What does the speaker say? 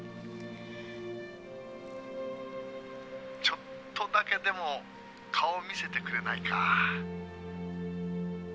☎ちょっとだけでも顔見せてくれないか？